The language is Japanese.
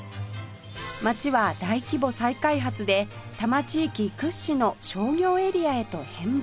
街は大規模再開発で多摩地域屈指の商業エリアへと変貌